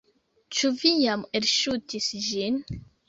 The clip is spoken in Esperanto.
Ĉu vi jam elŝutis ĝin?